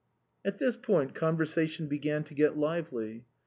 At this point conversation began to get lively.